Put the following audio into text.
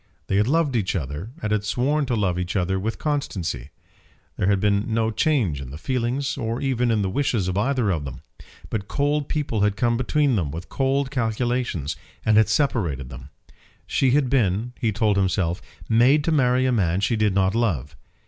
They had loved each other and had sworn to love each other with constancy. There had been no change in the feelings or even in the wishes of either of them. But cold people had come between them with cold calculations, and had separated them. She had been, he told himself, made to marry a man she did not love.